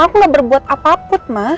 aku nggak berbuat apapun ma